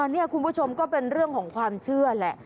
นี่คุณผู้ชมก็เป็นเรื่องของความเชื่อแหละ